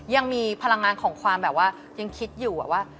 ยังมีพลังงานของความแบบว่ายังคิดอยู่ว่า